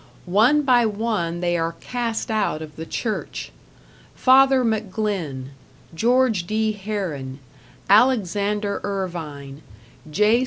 One by one they are cast out of the Church Father McGlynn, George D. Herron, Alexander Irvine, J.